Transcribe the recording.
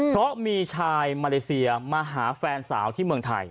เพราะมีชายมาเลเซียมาหาแฟนสาวที่เมืองไทย